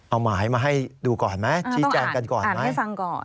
เอาหมายมาให้ดูก่อนมั้ยต้องอ่านให้ฟังก่อน